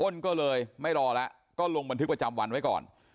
้นก็เลยไม่รอแล้วก็ลงบันทึกประจำวันไว้ก่อน